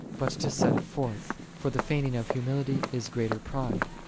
but to set it forth: for the feigning of humility is greater pride.